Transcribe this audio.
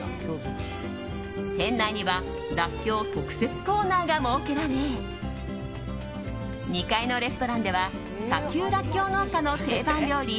店内にはらっきょう特設コーナーが設けられ２階のレストランでは砂丘らっきょう農家の定番料理